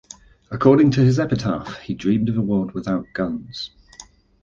According to his epitaph, he dreamed of a world without guns.